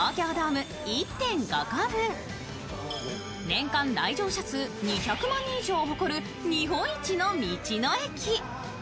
年間来場者数２００万人以上を誇る日本一の道の駅。